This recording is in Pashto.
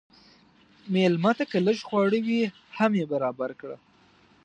مېلمه ته که لږ خواړه وي، هم یې برابر کړه.